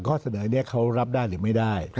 ข้อเสนอนี้เขารับได้หรือไม่ได้